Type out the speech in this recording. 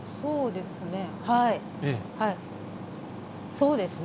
そうですね。